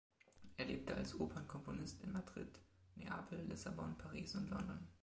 Er lebte als Opernkomponist in Madrid, Neapel, Lissabon, Paris und London.